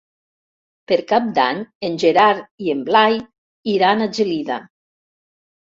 Per Cap d'Any en Gerard i en Blai iran a Gelida.